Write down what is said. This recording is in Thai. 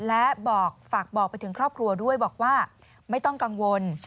และบอกฝากบอกไปถึงครอบครัวด้วยบอกว่าไม่ต้องกังวล